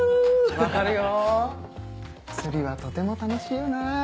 分かるよ釣りはとても楽しいよな。